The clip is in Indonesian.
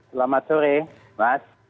selamat sore mas